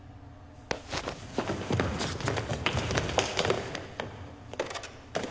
ちょっと。